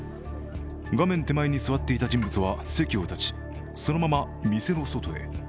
画面手前に座っていた人物は席を立ち、そのまま店の外へ。